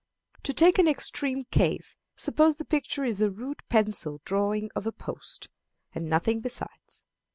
To take an extreme case, suppose the picture is a rude pencil drawing of a post, and nothing besides.